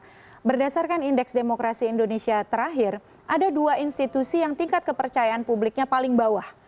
karena berdasarkan indeks demokrasi indonesia terakhir ada dua institusi yang tingkat kepercayaan publiknya paling bawah